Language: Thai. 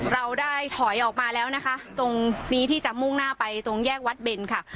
เราได้ถอยออกมาแล้วนะคะตรงนี้ที่จะมุ่งหน้าไปตรงแยกวัดเบนค่ะ